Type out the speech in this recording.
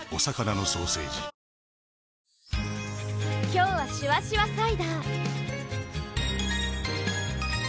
今日はシュワシュワサイダー！